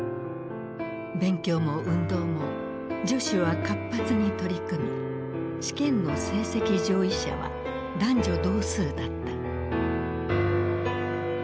勉強も運動も女子は活発に取り組み試験の成績上位者は男女同数だった。